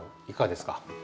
いかがですか？